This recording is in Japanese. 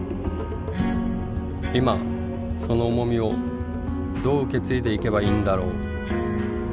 今その重みをどう受け継いでいけばいいんだろう